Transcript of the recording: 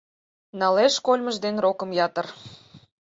Налеш кольмыж ден рокым ятыр